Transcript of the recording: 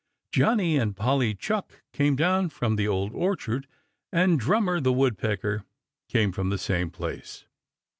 Johnny and Polly Chuck came down from the Old Orchard and Drummer the Woodpecker came from the same place.